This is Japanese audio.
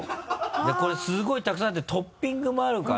これすごいたくさんあってトッピングもあるから。